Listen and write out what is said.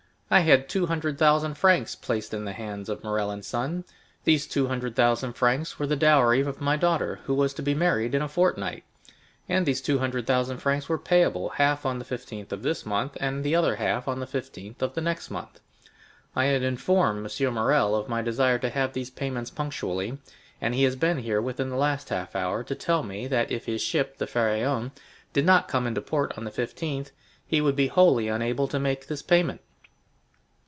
I had two hundred thousand francs placed in the hands of Morrel & Son; these two hundred thousand francs were the dowry of my daughter, who was to be married in a fortnight, and these two hundred thousand francs were payable, half on the 15th of this month, and the other half on the 15th of next month. I had informed M. Morrel of my desire to have these payments punctually, and he has been here within the last half hour to tell me that if his ship, the Pharaon, did not come into port on the 15th, he would be wholly unable to make this payment."